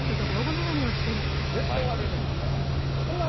絶対割れるやん踏んだら。